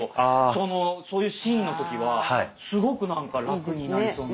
そういうシーンの時はすごくなんかラクになりそうな。